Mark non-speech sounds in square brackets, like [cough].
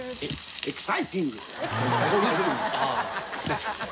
エキサイティング [laughs]